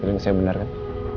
kira kira saya benar kan